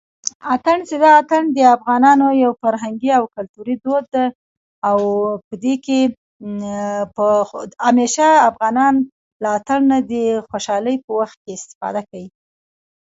اتڼ چې ده د افغانانو يو فرهنګي او . کلتوري دود ده او پدې کې او هميشه افغانان له اتڼ نه د خوشحالۍ په وخت کې استفاده کوي